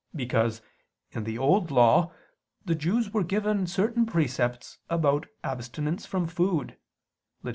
Because, in the Old Law, the Jews were given certain precepts about abstinence from food (Lev.